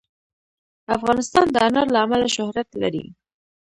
افغانستان د انار له امله شهرت لري.